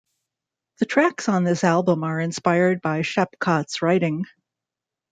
The tracks on this album are inspired by Shapcott's writing.